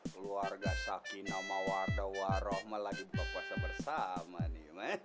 keluarga sakinama wardawaroma lagi buka puasa bersama nih